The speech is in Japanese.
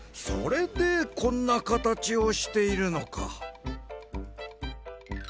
それでこんなかたちをしているのか。